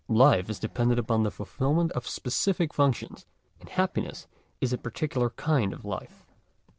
Life is dependent upon the fulfilment of specific functions; and happiness is a particular kind of life.